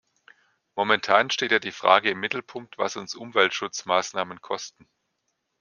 Momentan steht ja die Frage im Mittelpunkt, was uns Umweltschutzmaßnahmen kosten.